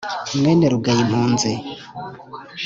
mwene rugayimpunzi.